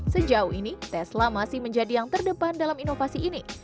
sejauh ini tesla masih menjadi yang terdepan dalam inovasi ini